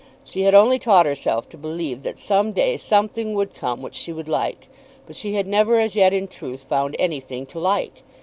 She had only taught herself to believe that some day something would come which she would like; but she had never as yet in truth found anything to like.